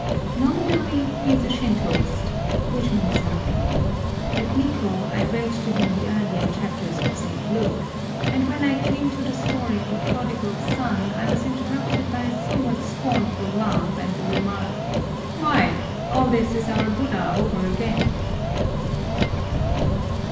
Nominally, he is a Shintôist, which means nothing. At Nikkô I read to him the earlier chapters of St. Luke, and when I came to the story of the Prodigal Son I was interrupted by a somewhat scornful laugh and the remark, "Why, all this is our Buddha over again!"